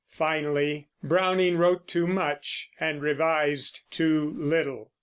Finally, Browning wrote too much and revised too Little.